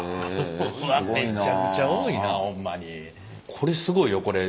これすごいよこれ。